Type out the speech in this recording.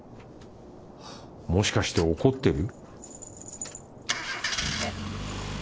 もしかして怒ってる？